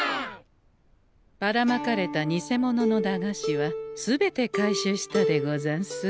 ばらまかれた偽物の駄菓子は全て回収したでござんす。